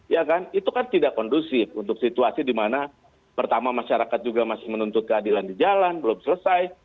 ya kan itu kan tidak kondusif untuk situasi dimana pertama masyarakat juga masih menuntut keadilan di jalan belum selesai